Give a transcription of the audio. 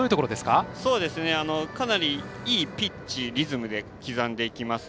かなり、いいピッチリズムで刻んでいきます。